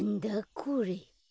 これ。